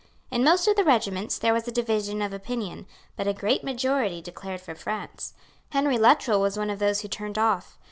In most of the regiments there was a division of opinion; but a great majority declared for France. Henry Luttrell was one of those who turned off.